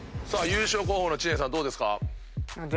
優勝候補の知念さんどうですか？